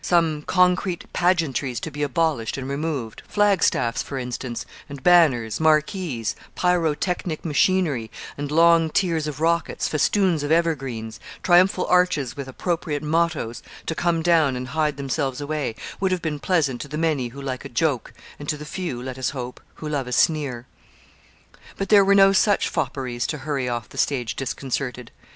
Some concrete pageantries to be abolished and removed; flag staffs, for instance, and banners, marquees, pyrotechnic machinery, and long tiers of rockets, festoons of evergreens, triumphal arches with appropriate mottoes, to come down and hide themselves away, would have been pleasant to the many who like a joke, and to the few, let us hope, who love a sneer. But there were no such fopperies to hurry off the stage disconcerted.